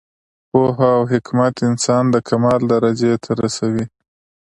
پوهه او حکمت انسان د کمال درجې ته رسوي.